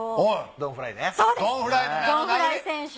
ドン・フライ選手。